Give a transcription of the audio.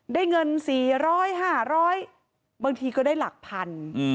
ได้เงินสี่ร้อยห้าร้อยบางทีก็ได้หลักพัน